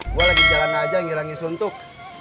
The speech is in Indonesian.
gue lagi jalan aja ngirangi suntuk